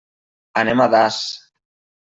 Anem a Das.